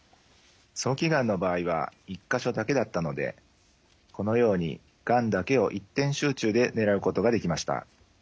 早期がんの場合は１か所だけだったのでこのようにがんだけを一点集中で狙うことができました。